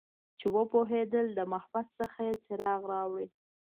چې وپوهیدل د محبس څخه یې څراغ راوړي